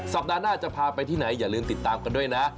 สัปดาห์หน้าจะพาไปที่ไหนอย่าลืมติดตามกันด้วยนะ